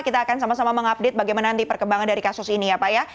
kita akan sama sama mengupdate bagaimana nanti perkembangan dari kasus ini ya pak ya